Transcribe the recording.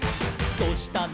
「どうしたの？